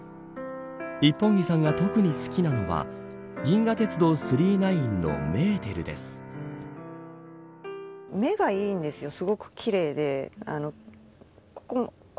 一本木さんが特に好きなのは銀河鉄道９９９のメーテルです。